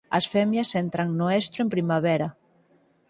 As femias entran no estro en primavera.